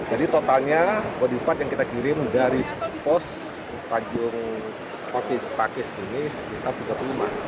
jadi totalnya empat yang kita kirim dari pos tanjung pakis ini sekitar tiga puluh lima